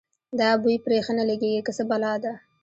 دا بوی پرې ښه نه لګېږي که څه بلا ده.